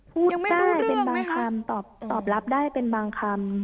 พูดได้เป็นบางคำตอบรับได้เป็นบางคำ